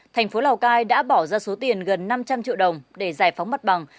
thành phố lào cai đã bỏ ra số tiền gần năm trăm linh triệu đồng để giải phóng mặt bằng